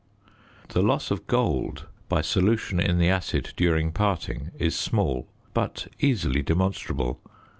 The loss of gold by solution in the acid during parting is small, but easily demonstrable.